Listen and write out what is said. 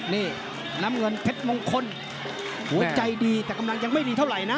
นี่น้ำเงินเพชรมงคลหัวใจดีแต่กำลังยังไม่ดีเท่าไหร่นะ